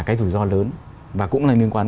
cái rủi ro lớn và cũng là liên quan